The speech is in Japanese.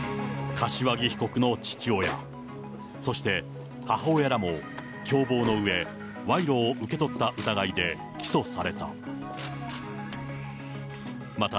柏木被告の父親、そして母親らも、共謀のうえ、賄賂を受け取った疑いで起訴された。